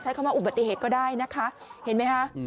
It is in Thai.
คำว่าอุบัติเหตุก็ได้นะคะเห็นไหมคะ